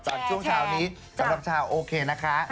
ช่วงเช้านี้สำหรับชาวโอเคนะคะ